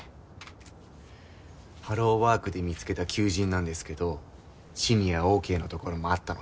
ハローワークで見つけた求人なんですけどシニアＯＫのところもあったので。